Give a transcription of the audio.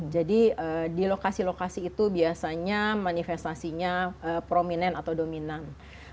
jadi di lokasi lokasi itu biasanya manifestasinya prominent atau dominant